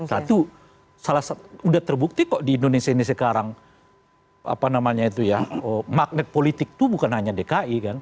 satu udah terbukti kok di indonesia ini sekarang magnet politik itu bukan hanya dki kan